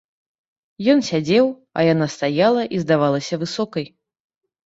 Ён сядзеў, а яна стаяла і здавалася высокай.